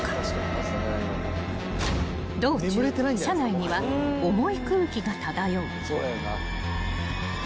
［道中車内には重い空気が漂う］